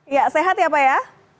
ya sehat ya pak ya